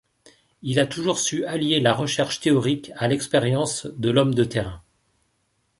Il a toujours su allier la recherche théorique à l’expérience de l’homme de terrain.